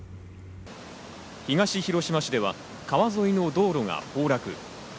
東広島市では川沿いの道路が崩落。